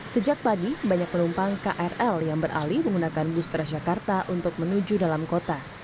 sejak pagi banyak penumpang krl yang beralih menggunakan bus transjakarta untuk menuju dalam kota